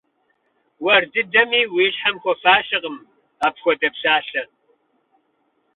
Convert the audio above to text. Уэр дыдэми уи щхьэм хуэфащэкъым апхуэдэ псалъэ.